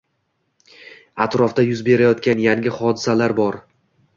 Atrofda yuz berayotgan yangi hodisalar bor.